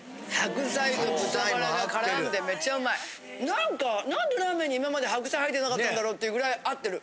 なんか何でラーメンに今まで白菜入ってなかったんだろっていうぐらい合ってる。